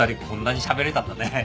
こんなにしゃべれたんだね。